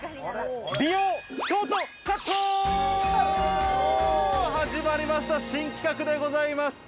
美容ショートカット！始まりました、新企画でございます。